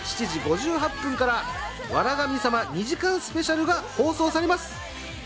明後日、日曜夜７時５８分から『笑神様２時間スペシャル』が放送されます。